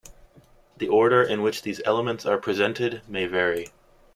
The order in which these elements are presented may vary.